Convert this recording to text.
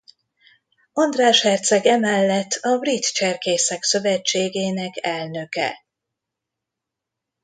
András herceg emellett a brit cserkészek szövetségének elnöke.